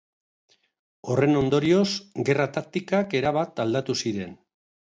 Horren ondorioz, gerra-taktikak erabat aldatu ziren.